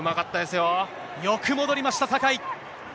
よく戻りました、酒井。